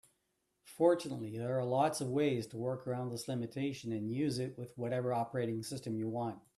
Fortunately, there are lots of ways to work around this limitation and use it with whatever operating system you want.